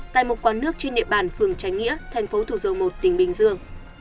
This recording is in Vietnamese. tại một quán nước trên địa bàn phường trái nghĩa thành phố thủ dầu một tỉnh bình dương